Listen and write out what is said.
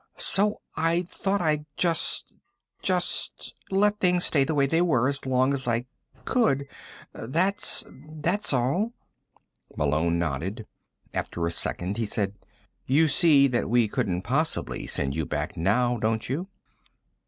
So I thought I'd just ... just let things stay the way they were as long as I could. That's ... that's all." Malone nodded. After a second he said: "You see that we couldn't possibly send you back now, don't you?"